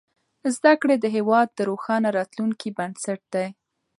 زدهکړې د هېواد د روښانه راتلونکي بنسټ دی.